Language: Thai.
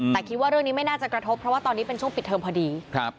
แต่คิดว่าเรื่องนี้ไม่น่าจะกระทบเพราะว่าตอนนี้เป็นช่วงปิดเทิมพอดี